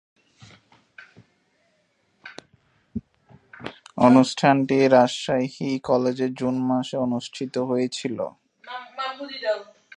অনুষ্ঠানটি রাজশাহী কলেজে জুন মাসে অনুষ্ঠিত হয়েছিলো।